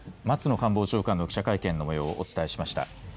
官房長官の記者会見の模様をお伝えしました。